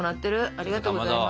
ありがとうございます。